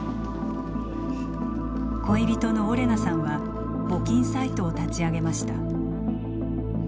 恋人のオレナさんは募金サイトを立ち上げました。